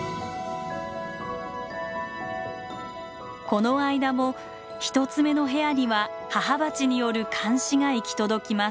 この間も１つ目の部屋には母バチによる監視が行き届きます。